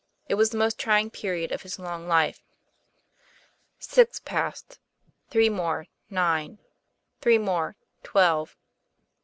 It was the most trying period of his long life. Six passed. Three more nine. Three more twelve.